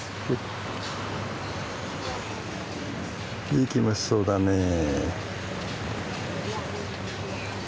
いい気持ちそうだねえ。